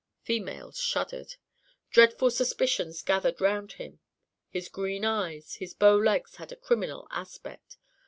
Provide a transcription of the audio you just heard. Females shuddered. Dreadful suspicions gathered round him: his green eyes, his bow legs had a criminal aspect.